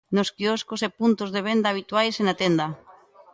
Nos quioscos e puntos de venda habituais e na tenda.